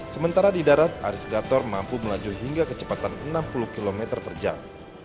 sementara di darat aris gator mampu melaju hingga kecepatan enam puluh km per jam